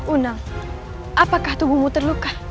unang apakah tubuhmu terluka